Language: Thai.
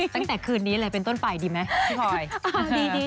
ตั้งแต่คืนนี้เลยเป็นต้นไปดีไหมพี่พลอย